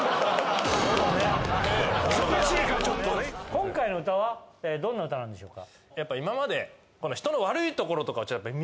今回の歌はどんな歌なんでしょうか？